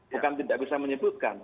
bukan tidak bisa menyebutkan